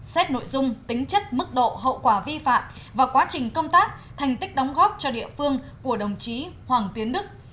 xét nội dung tính chất mức độ hậu quả vi phạm và quá trình công tác thành tích đóng góp cho địa phương của đồng chí hoàng tiến đức